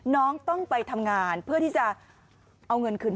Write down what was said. น้องต้องไปทำงานเพื่อที่จะเอาเงินคืน